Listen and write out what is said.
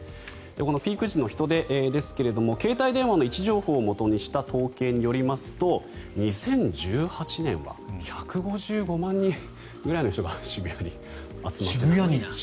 このピーク時の人出ですが携帯電話の位置情報をもとにした統計によりますと２０１８年は１５５万人くらいの人が渋谷に集まっていたと。